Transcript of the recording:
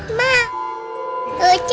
bonekanya bagus banget ma